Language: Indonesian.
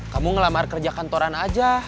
kamu ngelamar kerja kantoran aja